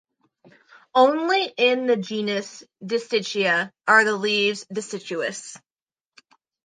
Only in the genus "Distichia" are the leaves distichous.